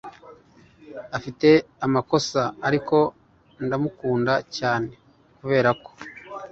afite amakosa, ariko ndamukunda cyane kuberako